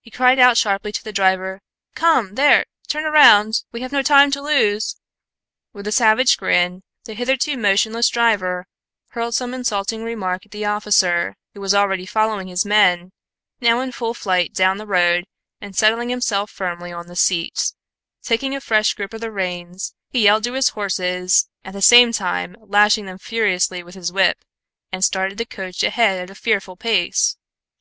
He cried out sharply to the driver, "Come, there! Turn round! We have no time to lose!" With a savage grin, the hitherto motionless driver hurled some insulting remark at the officer, who was already following his men, now in full flight down the road, and settling himself firmly on the seat, taking a fresh grip of the reins, he yelled to his horses, at the same time lashing them furiously with his whip, and started the coach ahead at a fearful pace.